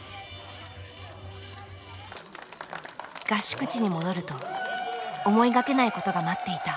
合宿地に戻ると思いがけないことが待っていた。